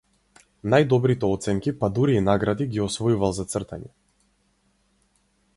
Најдобрите оценки, па дури и награди, ги освојувал за цртање.